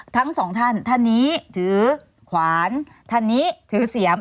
ทั้งสองท่านท่านนี้ถือขวานท่านนี้ถือเสียม